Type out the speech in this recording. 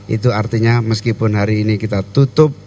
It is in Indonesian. itu artinya meskipun hari ini kita tutup